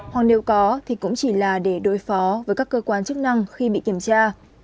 hoặc nếu có thì cũng chỉ là để đối phó với các cơ quan chức năng khi bị kiểm tra